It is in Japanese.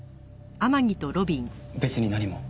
別に何も。